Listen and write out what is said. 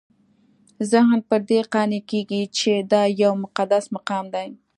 ذهن پر دې قانع کېږي چې دا یو مقدس مقام دی.